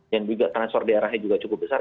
dan juga transfer daerahnya juga cukup besar